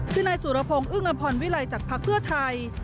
คือนายสุรพงศ์อึงอมพลวิไรจากพักเพื่อไทย